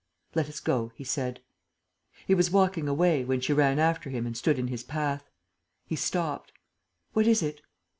"Let us go," he said. He was walking away, when she ran after him and stood in his path. He stopped: "What is it?"